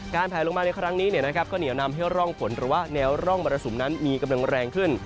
แผลลงมาในครั้งนี้ก็เหนียวนำให้ร่องฝนหรือว่าแนวร่องมรสุมนั้นมีกำลังแรงขึ้น